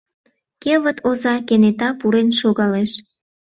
Кевыт оза кенета пурен шогалеш.